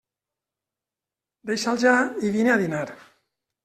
Deixa'l ja i vine a dinar.